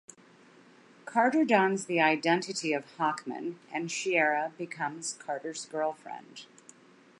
Carter dons the identity of Hawkman and Shiera becomes Carter's girlfriend.